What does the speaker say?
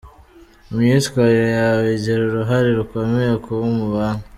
Imyitwarire yawe igira uruhare rukomeye kuwo mubana.